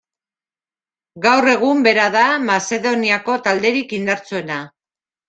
Gaur egun bera da Mazedoniako talderik indartsuena.